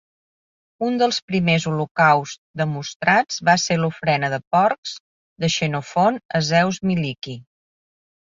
Un dels primers holocausts demostrats va ser l'ofrena de porcs de Xenofont a Zeus Miliqui.